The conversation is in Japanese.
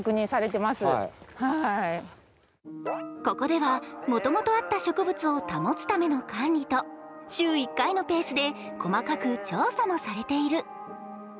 ここでは、もともとあった植物を保つための管理と週１回のペースで細かく調査もされている。